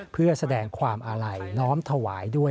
เพื่อแสดงความอาลัยน้อมถวายด้วย